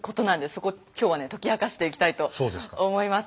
そこを今日はね解き明かしていきたいと思います。